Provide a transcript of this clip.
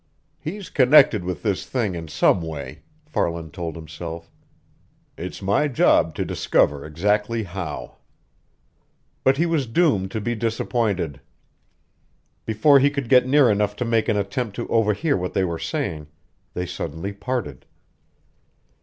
"He's connected with this thing in some way," Farland told himself. "It's my job to discover exactly how." But he was doomed to be disappointed. Before he could get near enough to make an attempt to overhear what they were saying, they suddenly parted.